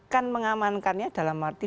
kan mengamankannya dalam arti